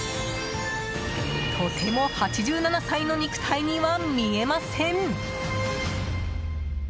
とても８７歳の肉体には見えません。